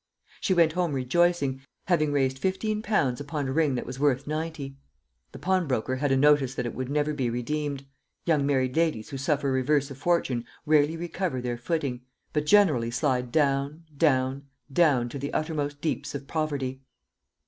She went home rejoicing, having raised fifteen pounds upon a ring that was worth ninety. The pawnbroker had a notice that it would never be redeemed young married ladies who suffer reverse of fortune rarely recover their footing, but generally slide down, down, down to the uttermost deeps of poverty.